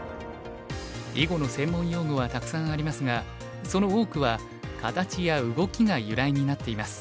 囲碁の専門用語はたくさんありますがその多くは形や動きが由来になっています。